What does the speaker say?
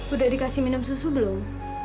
udah dikasih minum susu belum